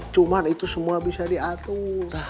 cuma itu semua bisa diatur